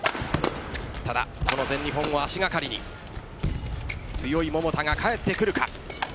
ただ、この全日本を足がかりに強い桃田が帰ってくるか。